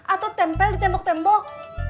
atau tempel di tembok tembok